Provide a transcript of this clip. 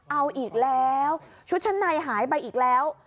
เอาอีกแล้วชุดชั้นในหายไปอีกแล้ว